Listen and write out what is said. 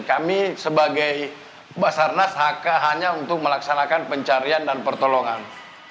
kami sebagai basar nas hk hanya untuk melaksanakan pencarian dan pertolongan